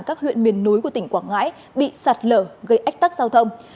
các huyện miền núi của tỉnh quảng ngãi bị sạt lở gây ách tắc giao thông